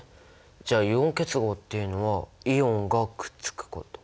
じゃあイオン結合っていうのはイオンがくっつくこと。